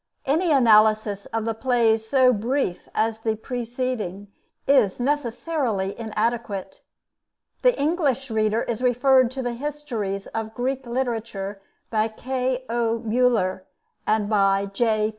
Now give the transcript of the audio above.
Any analysis of the plays so brief as the preceding is necessarily inadequate. The English reader is referred to the histories of Greek Literature by K.O. Müller and by J.